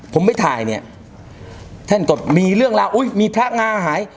ผมไปถ่ายเนี่ยท่านก็มีเรื่องราวอุ้ยมีพระงาหาย